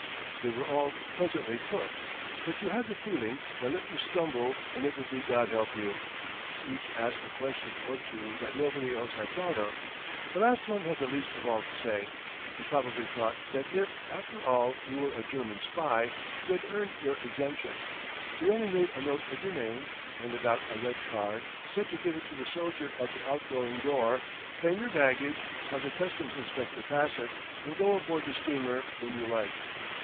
They were all pleasantly put, but you had the feeling that let you stumble and it would be God help you. Each asked a question or two that nobody else had thought of. The last one had the least of all to say. He probably thought that if, after all, you were a German spy, you had earned your exemption. He only made a note of your name, handed out a red card, said to give it to the soldier at the out going door, claim your baggage, have the customs inspector pass it, and go aboard the steamer when you liked.